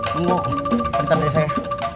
tunggu temetin saya